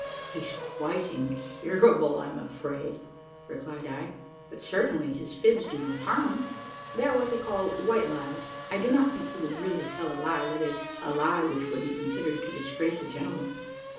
"He's quite incurable, I'm afraid," replied I; "but, certainly, his fibs do no harm; they are what they call white lies: I do not think he would really tell a lie, that is, a lie which would be considered to disgrace a gentleman."